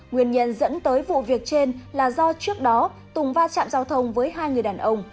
nguyên nhân dẫn tới vụ việc trên là do trước đó tùng va chạm giao thông với hai người đàn ông